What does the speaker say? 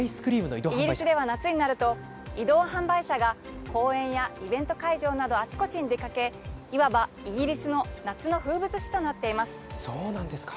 イギリスでは夏になると移動販売車が公園やイベント会場などあちこちに出かけいわば、イギリスのそうなんですか。